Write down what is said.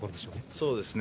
そうですね。